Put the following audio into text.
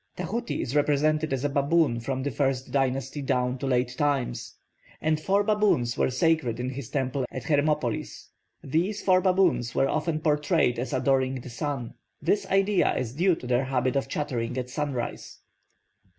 Tahuti is represented as a baboon from the first dynasty down to late times; and four baboons were sacred in his temple at Hermopolis. These four baboons were often portrayed as adoring the sun; this idea is due to their habit of chattering at sunrise.